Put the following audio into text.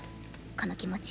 この気持ち。